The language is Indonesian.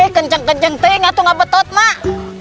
aduh kencang kencang telinga ini benar mak